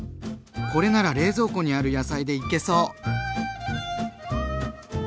これなら冷蔵庫にある野菜でいけそう！